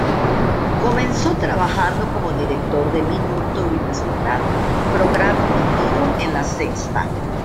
Comenzó trabajando como director de Minuto y resultado, programa emitido en La Sexta.